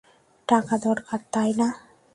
টাকা দরকার, তাই না?